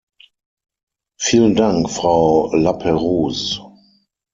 Vielen Dank, Frau Laperrouze.